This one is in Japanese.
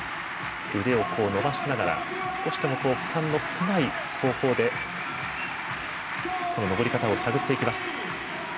腕を伸ばしながら負担の少ない方向で登り方を探っていきます。